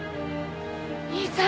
兄さん。